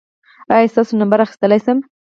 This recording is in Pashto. ایا زه ستاسو نمبر اخیستلی شم؟